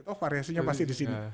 oh variasinya pasti disini